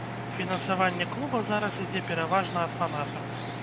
Фінансаванне клуба зараз ідзе пераважна ад фанатаў.